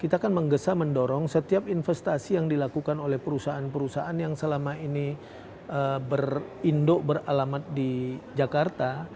kita kan menggesa mendorong setiap investasi yang dilakukan oleh perusahaan perusahaan yang selama ini berindo beralamat di jakarta